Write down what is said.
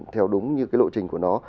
theo đúng như cái lộ trình của nó